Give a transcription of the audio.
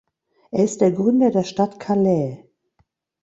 Er ist der Gründer der Stadt Calais.